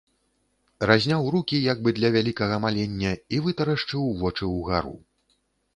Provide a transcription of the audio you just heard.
Разняў рукі як бы для вялікага малення і вытарашчыў вочы ўгару.